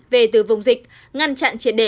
về từ vùng dịch ngăn chặn triệt để